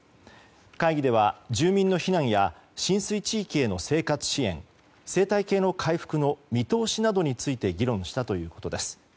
会議では住民の避難や浸水地域への生活支援生態系の回復の見通しなどについて議論したということです。